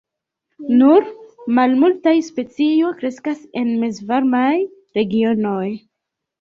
Nur malmultaj specio kreskas en mezvarmaj regionoj.